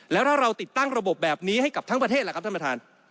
แล้วถ้าเราติดตั้งระบบแบบนี้ให้กับทั้งประเทศล่ะครับท่านประธาน